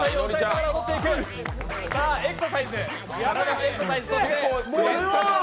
さぁ、エクササイズ。